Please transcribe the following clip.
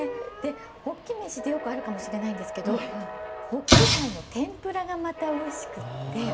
ほっき飯ってよくあるかもしれないんですけどほっき貝の天ぷらがまたおいしくって。